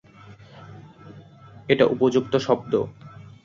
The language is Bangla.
এটা উপযুক্ত শব্দ।